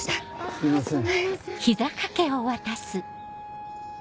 すいません。